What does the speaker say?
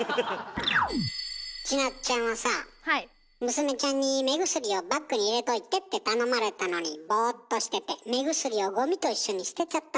娘ちゃんに目薬をバッグに入れといてって頼まれたのにボーっとしてて目薬をゴミと一緒に捨てちゃったんだって？